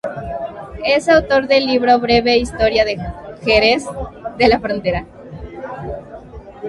Es autor del libro "Breve Historia de Jerez de la Frontera.